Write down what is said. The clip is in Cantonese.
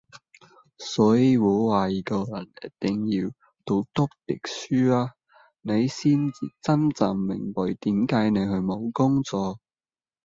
所以我話一個人一定要讀多啲書啊，你先至真正明白點解你會冇工做!